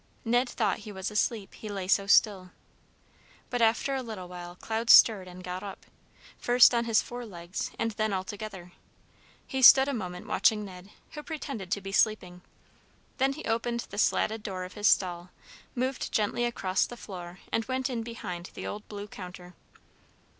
Ned thought he was asleep, he lay so still. But after a little while Cloud stirred and got up, first on his forelegs and then altogether. He stood a moment watching Ned, who pretended to be sleeping, then he opened the slatted door of his stall, moved gently across the floor and went in behind the old blue counter.